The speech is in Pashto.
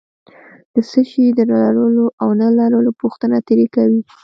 د څه شي د لرلو او نه لرلو پوښتنه ترې کوي.